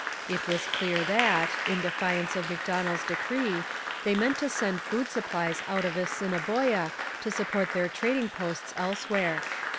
It was clear that, in defiance of Macdonell's decree, they meant to send food supplies out of Assiniboia to support their trading posts elsewhere.